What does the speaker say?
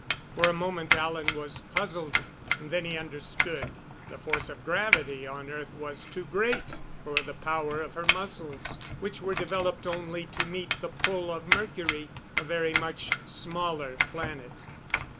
For a moment Alan was puzzled, then he understood. The force of gravity on earth was too great for the power of her muscles, which were developed only to meet the pull of Mercury a very much smaller planet.